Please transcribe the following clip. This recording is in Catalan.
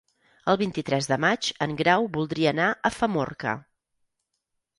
El vint-i-tres de maig en Grau voldria anar a Famorca.